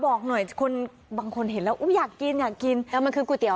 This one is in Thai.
บอกหน่อยคนบางคนเห็นแล้วอุ๊ยอยากกินอยากกินไปมาคุณกุ่นเตียว